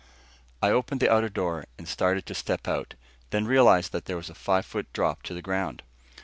I opened the outer door and started to step out, then realized that there was a five foot drop to the ground.